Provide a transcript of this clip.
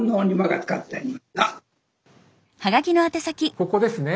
ここですね